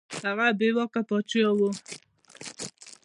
هغه بې واکه پاچا وو.